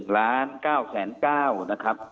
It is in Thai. ๑ล้าน๙เส้น๙นะครับ